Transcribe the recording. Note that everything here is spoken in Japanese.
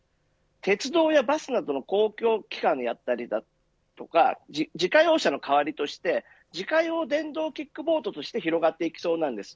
鉄道やバスなどの公共機関であったりとか自家用車の代わりとして自家用電動キックボードとして広がっていきそうなんです。